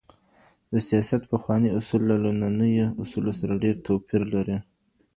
د سياست پخواني اصول له نننيو اصولو سره ډېر توپير لري.